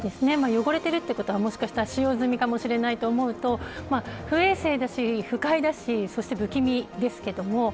汚れているということはもしかしたら使用済みかもしれないと思うと不衛生だし、不快だしそして不気味ですけども。